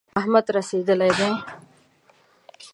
احمد رسېدلی دی.